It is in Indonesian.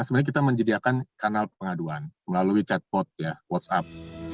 sebenarnya kita menjadikan kanal pengaduan melalui chatbot whatsapp